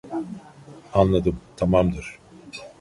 Anladım tamamdır